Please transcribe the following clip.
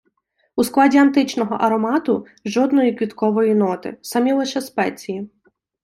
У складі античного аромату – жодної квіткової ноти, самі лише спеції.